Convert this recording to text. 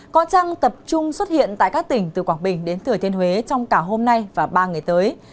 có trăng tập trung xuất hiện tại các tỉnh từ quảng bình đến thừa thiên huế trong cả hôm nay và ba ngày tới